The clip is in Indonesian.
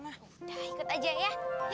udah ikut aja ya